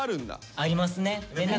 ありますね。